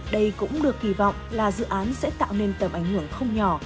đây cũng được kỳ vọng là dự án sẽ tạo nên tầm ảnh hưởng không nhỏ